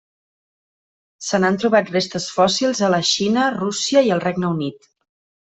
Se n'han trobat restes fòssils a la Xina, Rússia i el Regne Unit.